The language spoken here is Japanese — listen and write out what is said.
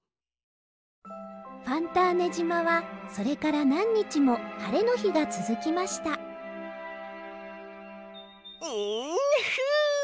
ファンターネじまはそれからなんにちもはれのひがつづきましたンフゥッ！